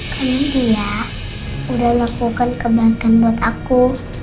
karena dia udah lakukan kebaikan buat aku